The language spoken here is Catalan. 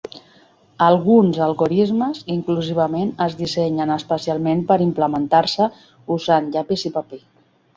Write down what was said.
Alguns algorismes inclusivament es dissenyen especialment per implementar-se usant llapis i paper.